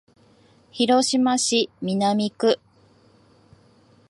広島市南区